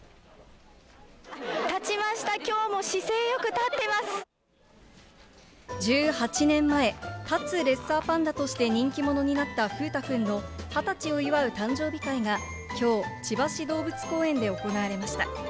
立ちました、１８年前、立つレッサーパンダとして人気者になった風太くんの２０歳を祝う誕生日会がきょう、千葉市動物公園で行われました。